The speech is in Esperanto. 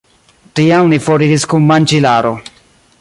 Tiam li foriris kun manĝilaro.